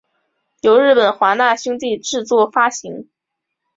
由日本华纳兄弟制作发行。